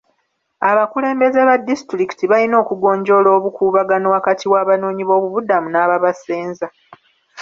Abakulembeze ba disitulikiti balina okugonjoola obukuubagano wakati w'abanoonyiboobubudamu n'ababasenza.